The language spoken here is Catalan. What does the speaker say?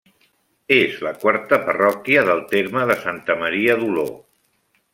És la quarta parròquia del terme de Santa Maria d'Oló.